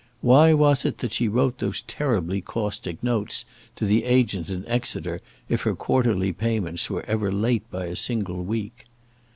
Why was it that she wrote those terribly caustic notes to the agent in Exeter if her quarterly payments were ever late by a single week?